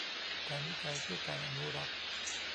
การวิจัยเพื่อการอนุรักษ์